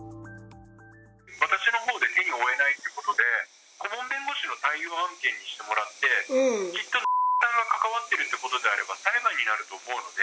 私のほうで手に負えないということで、顧問弁護士の対応案件にしてもらって、きっと×××が関わってるということであれば、裁判になると思うので。